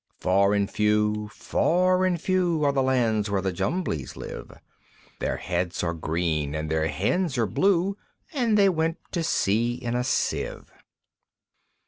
Far and few, far and few, Are the lands where the Jumblies live; Their heads are green, and their hands are blue, And they went to sea in a Sieve.